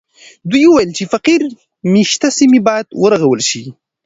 دوی وویل چې فقیر مېشته سیمې باید ورغول سي.